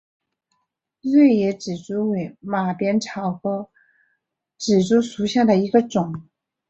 锐叶紫珠为马鞭草科紫珠属下的一个种。